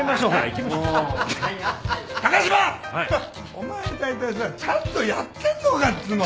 お前だいたいさちゃんとやってんのかっつうの。